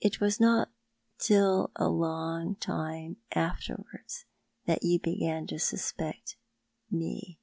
It was not till a long time afterwards that you began to suspect me."